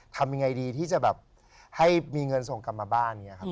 ทำยังไงดีที่จะแบบให้มีเงินส่งกลับมาบ้านอย่างนี้ครับ